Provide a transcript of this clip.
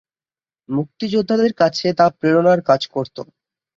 মুক্তিযোদ্ধাদের কাছে তা প্রেরণার কাজ করত।